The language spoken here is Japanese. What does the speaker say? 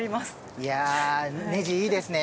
いやネジいいですね。